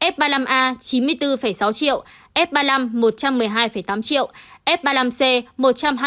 f ba mươi năm a chín mươi bốn sáu triệu f ba mươi năm một trăm một mươi hai tám triệu f ba mươi năm c một trăm hai mươi một tám triệu usd